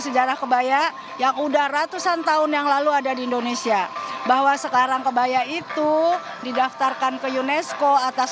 sejarah kebaya yang udah ratusan tahun yang lalu ada di indonesia bahwa sekarang kebaya itu didaftarkan ke unesco atas